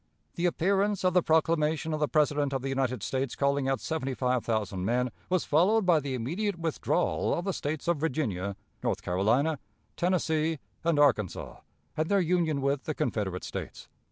The appearance of the proclamation of the President of the United States, calling out seventy five thousand men, was followed by the immediate withdrawal of the States of Virginia, North Carolina, Tennessee, and Arkansas, and their union with the Confederate States.